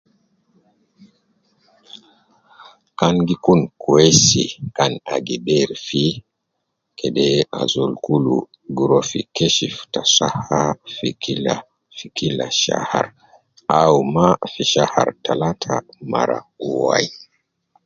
Kan gi kun kwesi kan na gi ber fi kede azol kulu gu ruwa fi Keshif ta saha fi kila ,kila shahar auma fi shahar talata mara wai